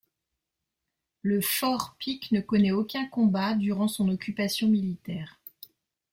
Le fort Pike ne connaît aucun combat durant son occupation militaire.